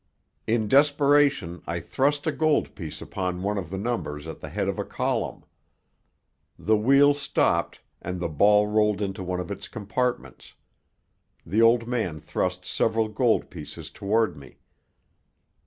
In desperation I thrust a gold piece upon one of the numbers at the head of a column. The wheel stopped, and the ball rolled into one of its compartments. The old man thrust several gold pieces toward me.